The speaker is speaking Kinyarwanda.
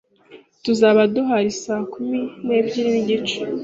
Tuzaba duhari saa kumi n'ebyiri n'igice.